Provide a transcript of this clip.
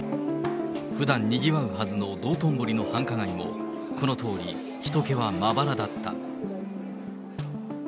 ふだん、にぎわうはずの道頓堀の繁華街も、このとおり、ひと気はまばらだった。